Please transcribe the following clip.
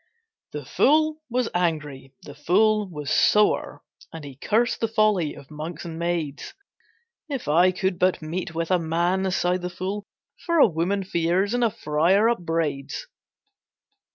The fool was angry, the fool was sore, And he cursed the folly of monks and maids. "If I could but meet with a man," sighed the fool, "For a woman fears, and a friar upbraids."